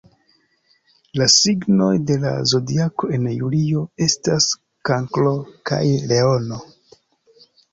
La signoj de la Zodiako en julio estas Kankro kaj Leono.